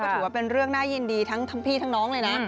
ถือว่าเป็นเรื่องน่ายินดีทั้งพี่ทั้งน้องเลยนะ